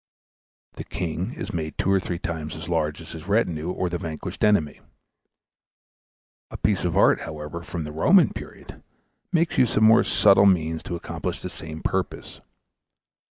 The king is made two or three times as large as his retinue or the vanquished enemy. A piece of art, however, from the Roman period makes use of more subtle means to accomplish the same purpose.